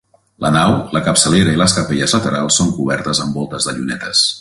La nau, la capçalera i les capelles laterals són cobertes amb voltes de llunetes.